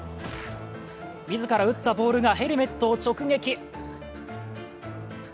自ら打ったボールがヘルメットを直撃。